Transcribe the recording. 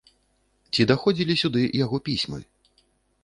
Ці даходзілі сюды яго пісьмы?